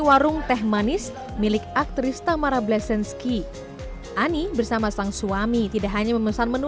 warung teh manis milik aktris tamara bleszensky ani bersama sang suami tidak hanya memesan menu